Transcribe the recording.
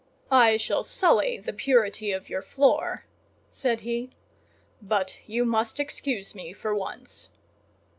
"I shall sully the purity of your floor," said he, "but you must excuse me for once."